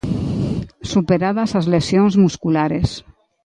Superadas as lesións musculares.